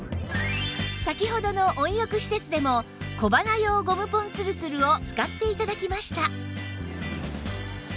先ほどの温浴施設でも小鼻用ゴムポンつるつるを使って頂きました